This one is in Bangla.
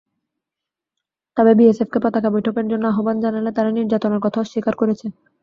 তবে, বিএসএফকে পতাকা বৈঠকের জন্য আহ্বান জানালে তারা নির্যাতনের কথা অস্বীকার করেছে।